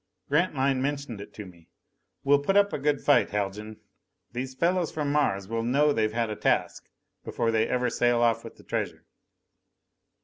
Grantline mentioned it to me. "Well put up a good fight, Haljan. These fellows from Mars will know they've had a task before they ever sail off with the treasure."